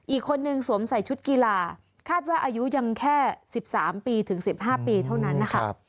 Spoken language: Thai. อีกคนนึงสวมใส่ชุดกีฬาคาดว่าอายุยังแค่๑๓ปีถึง๑๕ปีเท่านั้นนะคะ